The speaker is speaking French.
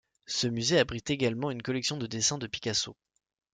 Ce musée abrite également une collection de dessins de Picasso.